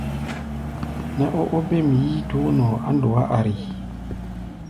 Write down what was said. Nɛ́ ó óbêm yíítoó nɔʼɔ á ndɔá ari.